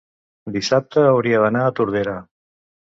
dissabte hauria d'anar a Tordera.